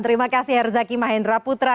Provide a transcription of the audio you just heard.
terima kasih herzaki mahendra putra